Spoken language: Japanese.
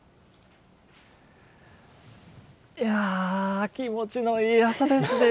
いやー、気持ちのいい朝ですね。